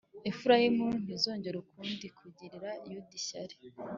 Efurayimu ntizongera ukundi kugirira Yuda ishyari,